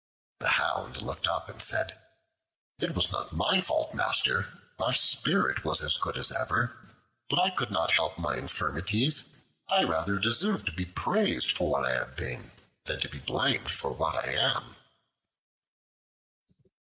The Hound looked up and said, "It was not my fault master: my spirit was as good as ever, but I could not help my infirmities. I rather deserve to be praised for what I have been, than to be blamed for what I am."